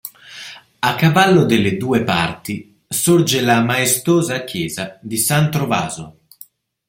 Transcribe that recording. A cavallo delle due parti sorge la maestosa chiesa di San Trovaso.